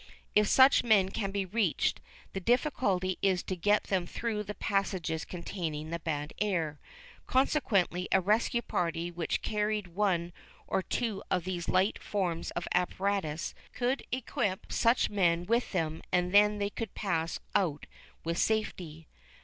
If such men be reached, the difficulty is to get them through the passages containing the bad air. Consequently a rescue party which carried one or two of these light forms of apparatus could equip such men with them and then they could pass out with safety.